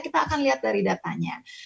kita akan lihat dari datanya